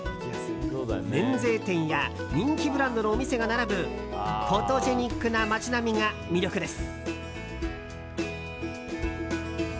免税店や人気ブランドのお店が並ぶフォトジェニックな街並みが魅力です。